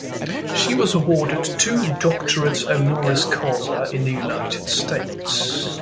She was awarded two doctorates honoris causa in the United States.